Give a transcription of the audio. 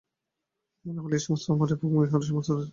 মনে হইল এ-সমস্তই আমার এবং ইহারা আমারই রাজ্যে আসিয়া পড়িয়াছে।